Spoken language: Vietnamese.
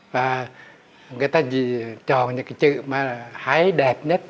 và người ta chỉ chọn những cái chữ mà hay đẹp nhất